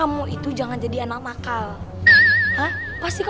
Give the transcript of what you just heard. man rip cafiyak pastinya